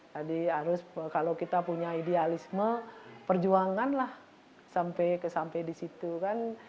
jadi harus kalau kita punya idealisme perjuanganlah sampai di situ kan